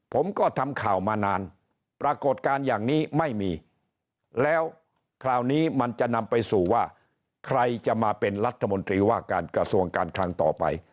ผมก็ทำข่าวมานานปรากฏการณ์อย่างนี้ไม่มีแล้วคราวนี้มันจะนำไปสู่ว่าใครจะมาเป็นรัฐมนตรีว่าการกระทรวงการคลังต่อไป